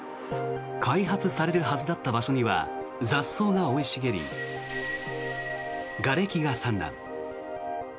開発されるはずだった場所には雑草が生い茂りがれきが散乱。